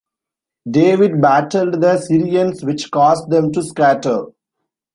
David battled the Syrians which caused them to scatter.